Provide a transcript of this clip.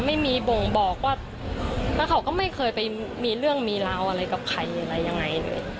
ไม่มีบ่งบอกว่าเขาก็ไม่เคยไปมีเรื่องมีล้าวอะไรกับใครหรืออะไรยังไง